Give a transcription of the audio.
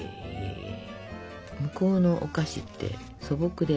向こうのお菓子って素朴で楽しいね。